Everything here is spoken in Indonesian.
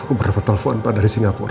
aku berapa telepon pak dari singapura